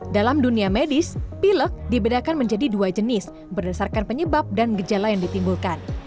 dalam dunia medis pilek dibedakan menjadi dua jenis berdasarkan penyebab dan gejala yang ditimbulkan